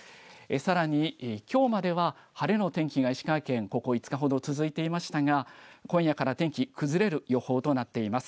さらにきょうまでは晴れの天気が石川県ここ５日ほど続いていましましたが今夜から天気崩れる予報となっています。